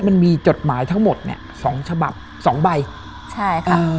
มันมีจดหมายทั้งหมดเนี้ยสองฉบับสองใบใช่ค่ะอ่า